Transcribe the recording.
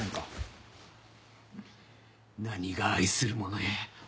何が愛する者や。